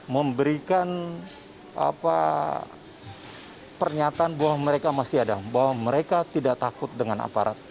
memberikan pernyataan bahwa mereka masih ada bahwa mereka tidak takut dengan aparat